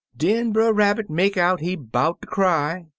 "Den Brer Rabbit make out he 'bout ter cry.